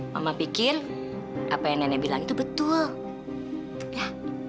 mama pikir apa yang nenek bilang itu betul ya